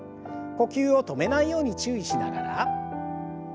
呼吸を止めないように注意しながら。